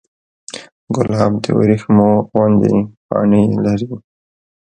ګلاب د وریښمو غوندې پاڼې لري.